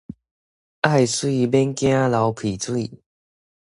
愛媠毋驚流鼻水